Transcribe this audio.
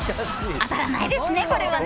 当たらないですね、これはね。